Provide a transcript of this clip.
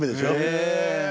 へえ。